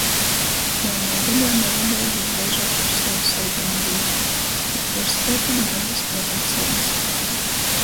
Jaunā godā nalidojit dreižuok par sovu sorgeņgeli i puorskaitit babys pavuiceibys...